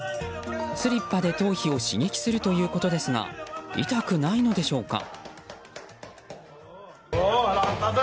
スリッパで頭皮を刺激するということですが痛くないのでしょうか。